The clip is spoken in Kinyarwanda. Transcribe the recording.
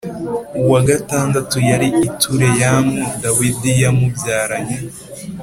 Uwa gatandatu yari itureyamu dawidi yamubyaranye